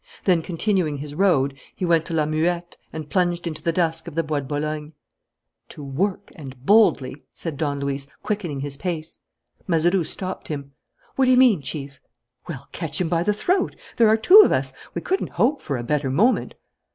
Then continuing his road he went to La Muette and plunged into the dusk of the Bois de Boulogne. "To work and boldly!" said Don Luis, quickening his pace. Mazeroux stopped him. "What do you mean, Chief?" "Well, catch him by the throat! There are two of us; we couldn't hope for a better moment."